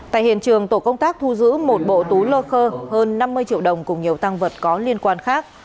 tại hiện trường tổ công tác thu giữ một bộ túi lơ khơ hơn năm mươi triệu đồng cùng nhiều tăng vật có liên quan khác